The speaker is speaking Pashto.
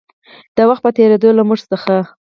د وخـت پـه تېـرېدو لـه مـوږ څـخـه